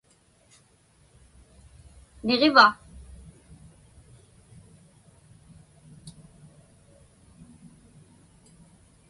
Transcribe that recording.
Niġiva?